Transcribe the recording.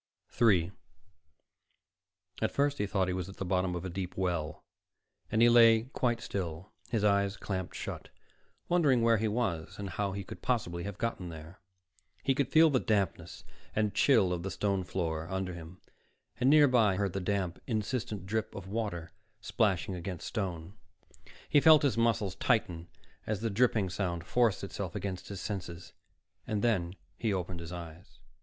3 At first he thought he was at the bottom of a deep well and he lay quite still, his eyes clamped shut, wondering where he was and how he could possibly have gotten there. He could feel the dampness and chill of the stone floor under him, and nearby he heard the damp, insistent drip of water splashing against stone. He felt his muscles tighten as the dripping sound forced itself against his senses. Then he opened his eyes.